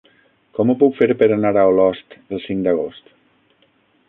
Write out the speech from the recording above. Com ho puc fer per anar a Olost el cinc d'agost?